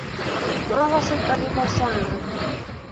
Makase ta kipa sang' ranim